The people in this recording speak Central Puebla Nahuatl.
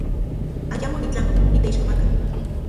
Ayamo nitlami niteixkomaka.